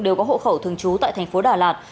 đều có hộ khẩu thường trú tại thành phố đà lạt